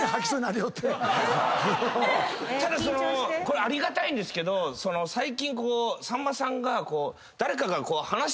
ただそのこれありがたいんですけど最近さんまさんが誰かが。